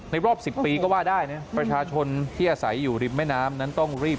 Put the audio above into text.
รอบ๑๐ปีก็ว่าได้นะประชาชนที่อาศัยอยู่ริมแม่น้ำนั้นต้องรีบ